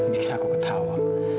bikin aku ketawa